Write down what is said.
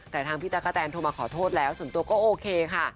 แต่ทางพี่ตั๊กกะแตนโทรมาขอโทษแล้วส่วนตัวก็โอเคค่ะ